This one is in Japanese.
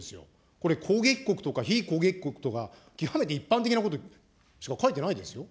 これ、攻撃国とか非攻撃国とか、極めて一般的なことしか書いてないですよ。